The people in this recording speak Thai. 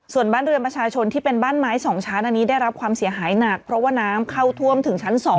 ส่วนบ้านเรือนประชาชนที่เป็นบ้านไม้๒ชั้นอันนี้ได้รับความเสียหายหนักเพราะว่าน้ำเข้าท่วมถึงชั้น๒